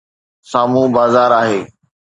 سامهون بازار آهي.